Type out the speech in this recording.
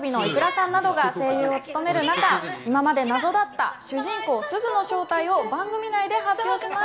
ＹＯＡＳＯＢＩのｉｋｕｒａさんなどが声優を務める中、今まで謎だった主人公・すずの正体を番組内で発表します。